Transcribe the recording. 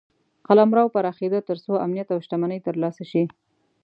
قلمرو پراخېده تر څو امنیت او شتمني ترلاسه شي.